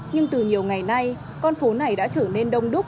nhưng từ nhiều ngày nay con phố này đã trở nên đông đúc